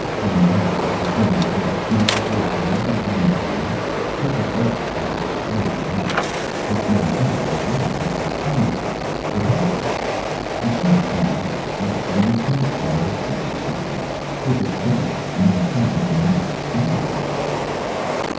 Gunpowder, the printing press, nitroglycerin, the atom bomb, they were all supposed to destroy the race. But mankind has learned how to handle them. It had to! You can't turn back the clock, and you can't un discover something. If it's there, mankind must deal with it!"